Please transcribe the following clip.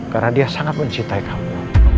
karena dia sangat mencintai kamu